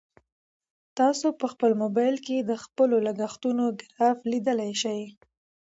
تاسو په موبایل کې د خپلو لګښتونو ګراف لیدلی شئ.